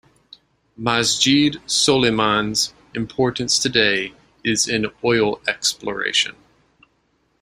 Masjed Soleyman's importance today is in oil exploration.